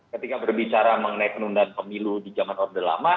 ketika berbicara mengenai penundaan pemilu di zaman orde lama